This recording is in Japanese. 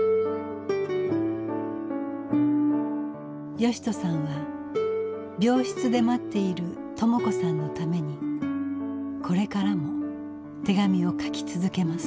義人さんは病室で待っている朋子さんのためにこれからも手紙を書き続けます。